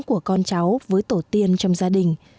của con cháu với tổ tiên trong gia đình